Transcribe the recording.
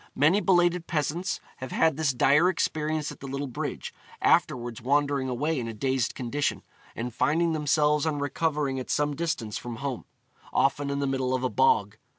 Many belated peasants have had this dire experience at the little bridge, afterwards wandering away in a dazed condition, and finding themselves on recovering at some distance from home, often in the middle of a bog.